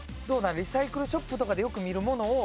リサイクルショップとかでよく見るものを。